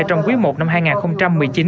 trong quý i năm hai nghìn một mươi chín